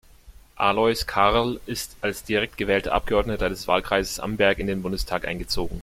Alois Karl ist als direkt gewählter Abgeordneter des Wahlkreises Amberg in den Bundestag eingezogen.